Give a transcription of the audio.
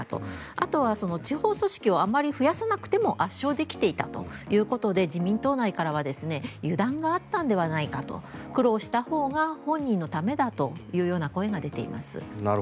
あとは地方組織をあまり増やさなくても圧勝できていたということで自民党内からは油断があったんではないかと苦労したほうが本人のためだというような声が出ています。